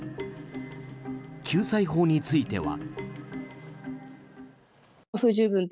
救済法については。